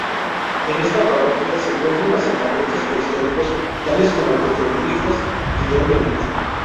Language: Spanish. En esta parroquia se encuentran asentamientos prehistóricos tales como petroglifos y dólmenes.